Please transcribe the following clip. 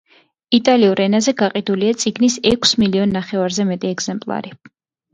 იტალიურ ენაზე გაყიდულია წიგნის ექვს მილიონ ნახევარზე მეტი ეგზემპლარი.